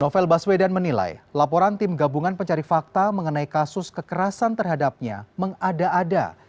novel baswedan menilai laporan tim gabungan pencari fakta mengenai kasus kekerasan terhadapnya mengada ada